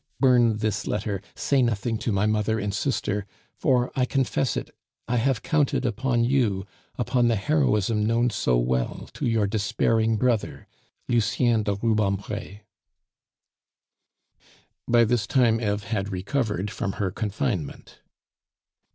"Burn this letter; say nothing to my mother and sister; for, I confess it, I have counted upon you, upon the heroism known so well to your despairing brother, "LUCIEN DE RUBEMPRE." By this time Eve had recovered from her confinement.